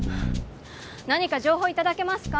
何か情報頂けますか？